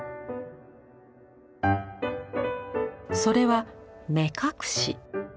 それは目隠し。